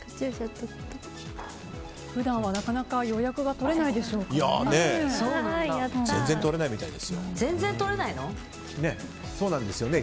普段はなかなか予約が取れないでしょうからね。